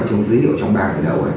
chúng dữ hiệu trong bàn